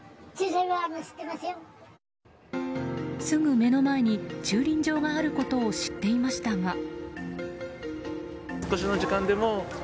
すぐ目の前に駐輪場があることを知っていましたが。